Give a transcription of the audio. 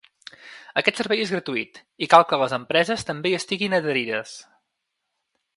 Aquest servei és gratuït i cal que les empreses també hi estiguin adherides.